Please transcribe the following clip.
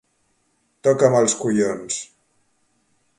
Toca'm els collons!